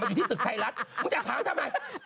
อยู่ที่ตึกไทยรัฐมึงจะถามทำไม